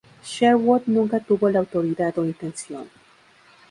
Sherwood nunca tuvo la autoridad o intención".